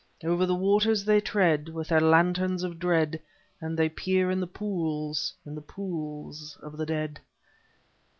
O'er the waters they tread, with their lanterns of dread, And they peer in the pools in the pools of the dead...